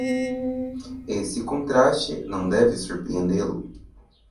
Esse contraste não deve surpreendê-lo.